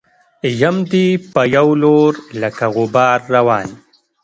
يم دې په يو لور لکه غبار روان